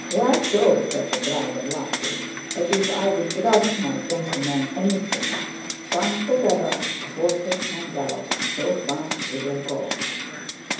"Why joke?" said the driver, laughing. "As if I'd grudge my gentlemen anything! As fast as ever the horses can gallop, so fast we'll go!"